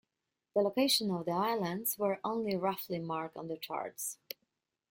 The location of the islands were only roughly marked on charts.